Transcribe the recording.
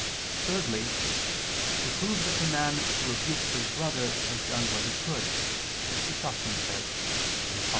thirdly, "to prove that the man who rebuked his brother, has done what he could," as Chrysostom says (Hom.